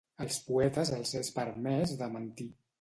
Als poetes els és permès de mentir.